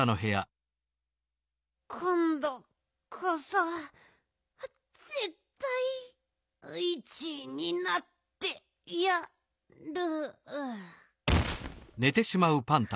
こんどこそぜったい１いになってやる。